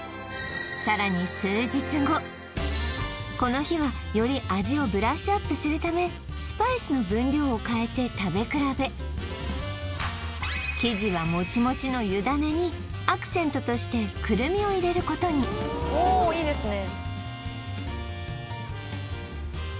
さらにこの日はより味をブラッシュアップするためスパイスの分量を変えて食べ比べ生地はもちもちの湯種にアクセントとしてくるみを入れることにおおいいですね